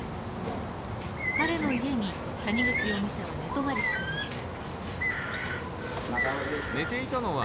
彼の家に谷口容疑者は寝泊りしていました。